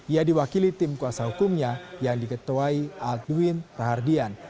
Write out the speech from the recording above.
ia diwakili tim kuasa hukumnya yang diketuai aldwin rahardian